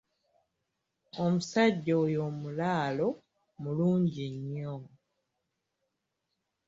Omusajja oyo mulaalo mulungi nnyo.